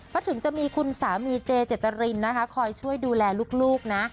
เพราะถึงจะมีคุณสามีเจเจตรินนะคะคอยช่วยดูแลลูกนะ